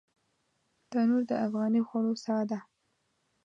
تنور د افغاني خوړو ساه ده